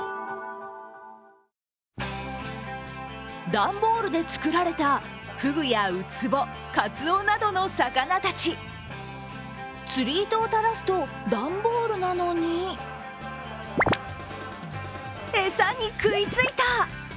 段ボールで作られたふぐやウツボ、かつおなどの魚たち釣り糸を垂らすと、段ボールなのに餌に食いついた！